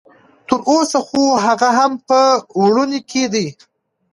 تر اوسه خو هغه په وړوني کې ده.